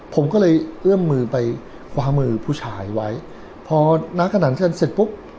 ผมก็เลยเอื้อมมือไปคว้ามือผู้ชายไว้พอนักขนาดเซ็นเสร็จปุ๊บ